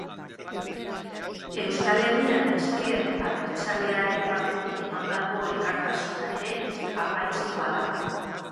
Euskal Herrian ezker abertzalearen partetik emandako elkartasuna ere aipatzekoa da.